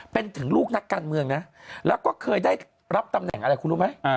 เป็นถึงลูกนักการเมืองนะแล้วก็เคยได้รับตำแหน่งอะไรคุณรู้ไหม